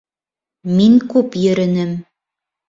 Мин күп йөрөнөм.